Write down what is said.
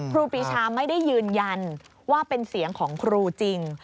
ครูปีชาไม่ได้ยืนยันว่าเป็นเสียงของครูจริง